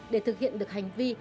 để thực hiện được hành vi